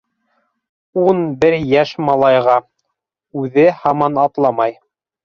Ун бер йәш малайға, үҙе һаман атламай.